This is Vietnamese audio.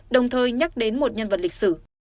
đồng thời nhắc đến một nhân vật lịch sử